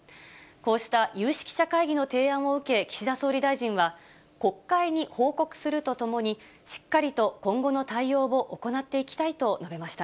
こうした有識者会議の提案を受け、岸田総理大臣は、国会に報告するとともに、しっかりと今後の対応を行っていきたいと述べました。